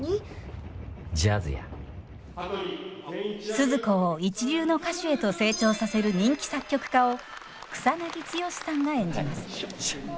スズ子を一流の歌手へと成長させる人気作曲家を草剛さんが演じます。